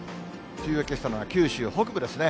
梅雨明けしたのは九州北部ですね。